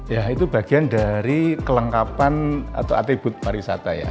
ya itu bagian dari kelengkapan atau atribut pariwisata ya